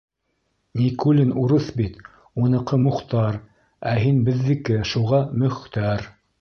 Никулин урыҫ бит, уныҡы Мухтар, ә һин беҙҙеке, шуға Мөх-тәр.